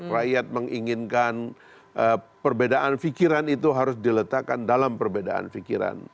rakyat menginginkan perbedaan fikiran itu harus diletakkan dalam perbedaan fikiran